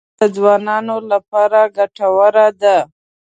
خرما د ځوانانو لپاره ډېره ګټوره ده.